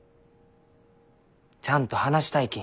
ちゃんと話したいき。